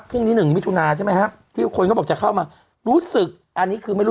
หนึ่งมิถุนาใช่ไหมครับที่คนก็บอกจะเข้ามารู้สึกอันนี้คือไม่รู้